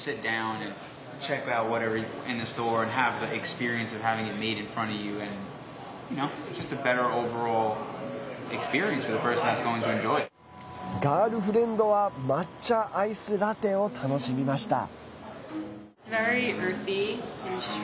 ガールフレンドは抹茶アイスラテを楽しみました。